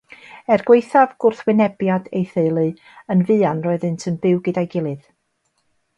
Er gwaethaf gwrthwynebiad ei theulu, yn fuan roeddent yn byw gyda'i gilydd.